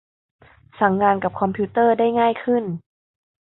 สั่งงานกับคอมพิวเตอร์ได้ง่ายขึ้น